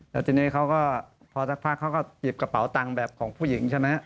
แล้วทีนี้เขาก็พอสักพักเขาก็หยิบกระเป๋าตังค์แบบของผู้หญิงใช่ไหม